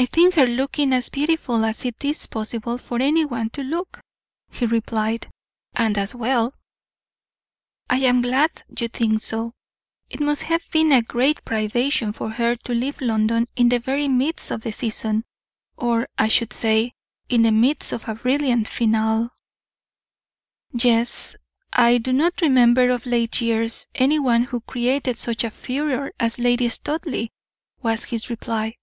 "I think her looking as beautiful as it is possible for any one to look," he replied, "and as well." "I am glad you think so. It must have been a great privation for her to leave London in the very midst of the season, or, I should say, in the midst of a brilliant finale." "Yes; I do not remember, of late years, any one who created such a furor as Lady Studleigh," was his reply.